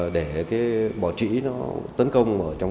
để bỏ trĩ tấn công